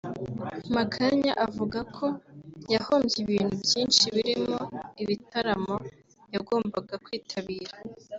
Makanya avuga ko yahombye ibintu byinshi birimo ibitaramo yagombaga kwitabira